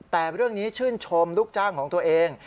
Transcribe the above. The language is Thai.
แต่เรื่องนี้ชื่นชมลูกจ้างของตัวเอง